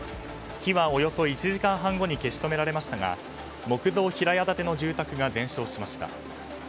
火はおよそ１時間半後に消し止められましたが木造平屋建ての住宅が全焼しました。